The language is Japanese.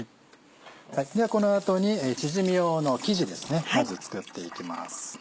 ではこの後にチヂミ用の生地まず作っていきます。